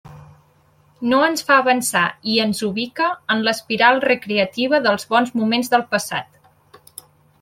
No ens fa avançar i ens ubica en l'espiral recreativa dels bons moments del passat.